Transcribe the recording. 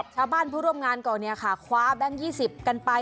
ชาวบ้านผู้ร่วมงานก่อนเนี่ยค่ะคว้าแบงก์๒๐กันไป